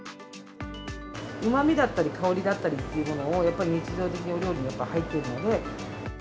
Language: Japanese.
うまみだったり、香りだったりっていうものを、やっぱり日常的にお料理に入っているので。